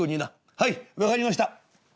「はい分かりました」。